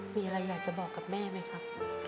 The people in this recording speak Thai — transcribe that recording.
มีอะไรอยากจะบอกกับแม่ไหมครับ